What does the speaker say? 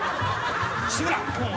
志村！